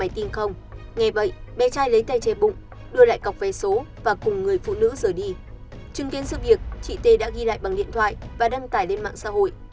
trưng kiến sự việc chị tê đã ghi lại bằng điện thoại và đăng tải lên mạng xã hội